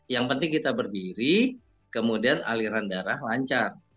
yang penting kita berdiri kemudian aliran darah lancar